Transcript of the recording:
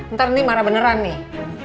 ntar ini marah beneran nih